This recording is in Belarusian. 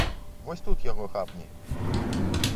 Вось тут яго хапні!